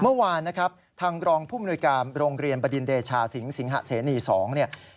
เมื่อวานนะครับทางรองภูมิโนยกรรมโรงเรียนบดินเดชาสิงห์สิงหะเสนีสอง